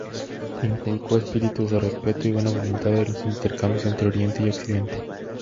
Inculcó espíritu de respeto y buena voluntad en los intercambios entre Oriente y Occidente.